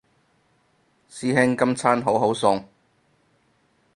師兄今餐好好餸